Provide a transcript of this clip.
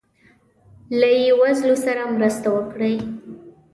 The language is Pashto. له یی وزلو سره مرسته وکړي